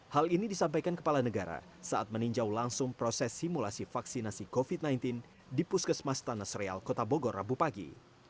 hal ini disampaikan kepala negara saat meninjau langsung proses simulasi vaksinasi covid sembilan belas di puskesmas tanah sereal kota bogor rabu pagi